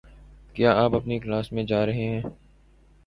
کیا آپ اپنی کلاس میں جا رہے ہیں؟